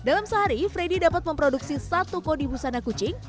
dalam sehari freddy dapat memproduksi satu kodi busana kucing